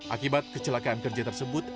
akibat kecelakaan kerja tersebut